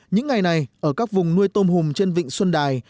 những ngày này ở các vùng nuôi tôm hùm trên vịnh xuân đài